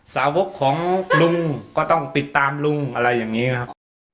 สาวกของลุงก็ต้องติดตามลุงอะไรอย่างนี้นะครับ